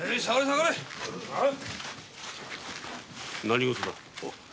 何事だ？